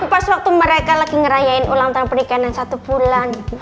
pas mereka ngerayain ulang tahun pernikahan yang satu bulan